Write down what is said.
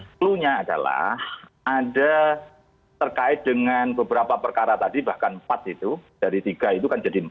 clue nya adalah ada terkait dengan beberapa perkara tadi bahkan empat itu dari tiga itu kan jadi empat